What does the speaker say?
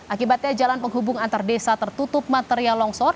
akibatnya jalan penghubung antar desa tertutup material longsor